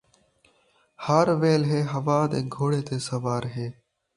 ہر ویلھے ہوا دے گھوڑے تے سوار ہے